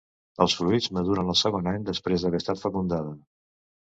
Els fruits maduren al segon any després d'haver estat fecundada.